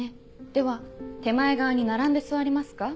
では手前側に並んで座りますか？